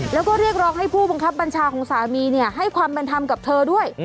แล้วก็เรียกร้องให้ผู้บังคับบัญชาของสามีให้ความเป็นธรรมกับเธอด้วย